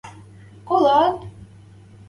– Кола-ат?